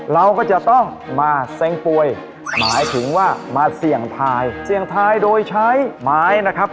เราก็จะต้องมาเซ็งป่วยหมายถึงว่ามาเสี่ยงทายเสี่ยงทายโดยใช้ไม้นะครับ